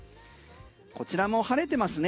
こちらも晴れてますね。